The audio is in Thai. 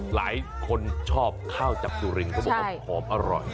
หลายคนชอบข้าวจับซูรินเพราะมันหอมอร่อย